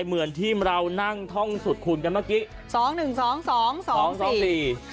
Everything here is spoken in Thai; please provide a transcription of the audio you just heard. เหมือนที่เรานั่งท่องสุดคุณกันเมื่อกี้